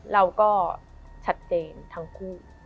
เราก็ชัดเจนทั้งคู่